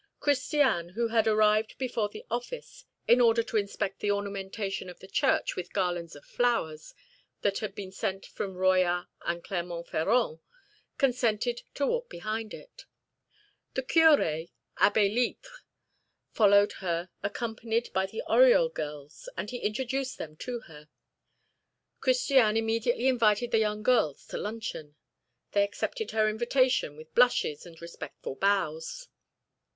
Christiane, who had arrived before the office, in order to inspect the ornamentation of the church with garlands of flowers that had been sent from Royat and Clermont Ferrand, consented to walk behind it. The curé, Abbé Litre, followed her accompanied by the Oriol girls, and he introduced them to her. Christiane immediately invited the young girls to luncheon. They accepted her invitation with blushes and respectful bows.